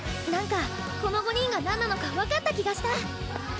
何かこの５人が何なのか分かった気がした！